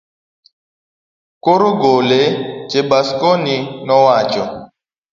Koro gole, Chebaskwony nowacho.